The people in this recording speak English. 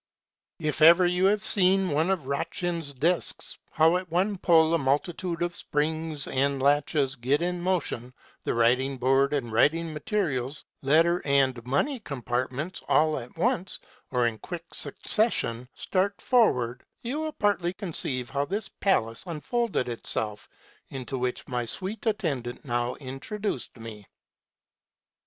" If ever you have seen one of Rontgen's desks, ŌĆö how, at one pull, a multitude of springs and latches get in motion, and writing board and writing materials, letter and money compartments, all at once, or in quick succession, start for ward, ŌĆö you will partly conceive how this palace unfolded it self, into which my sweet attendant now introduced me.